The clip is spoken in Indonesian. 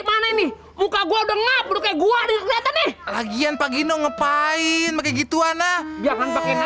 mana ini muka gua udah ngapur kayak gua di kereta nih lagian pagi no ngepain begitu anak